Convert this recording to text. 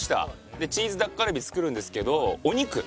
でチーズタッカルビ作るんですけど。